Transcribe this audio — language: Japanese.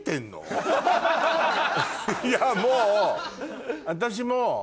いやもう私も。